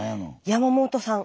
山本さん